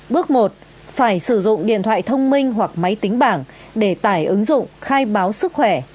bước một phải sử dụng điện thoại thông minh hoặc máy tính bảng để tải ứng dụng khai báo sức khỏe